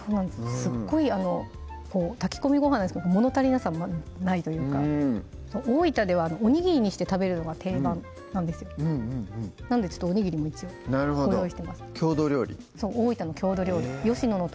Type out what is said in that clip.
すっごい炊き込みご飯なんですけどもの足りなさないというか大分ではおにぎりにして食べるのが定番なんですよなのでちょっとおにぎりも一応ご用意してます郷土料理そう大分の郷土料理吉野の鶏